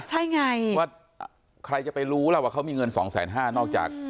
ใช่ไงว่าใครจะไปรู้แล้วว่าเขามีเงินสองแสนห้านอกจาก